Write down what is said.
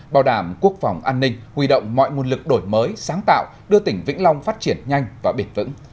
bảo đảm quốc phòng an ninh huy động mọi nguồn lực đổi mới sáng tạo đưa tỉnh vĩnh long phát triển nhanh và bền vững